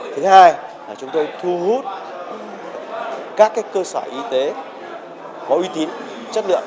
thứ hai là chúng tôi thu hút các cơ sở y tế có uy tín chất lượng